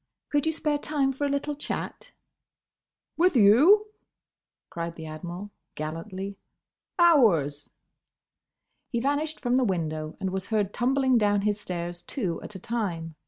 Could you spare time for a little chat?" "With you?" cried the Admiral, gallantly. "Hours!" He vanished from the window and was heard tumbling down his stairs two at a time.